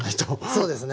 そうですね。